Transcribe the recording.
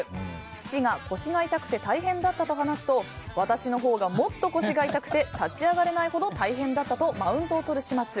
父が腰が痛くて大変だったと話すと私のほうがもっと腰が痛くて立ち上がれないほど大変だったとマウントをとる始末。